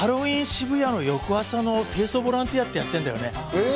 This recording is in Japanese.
渋谷の翌朝の清掃ボランティアってやってんだよね。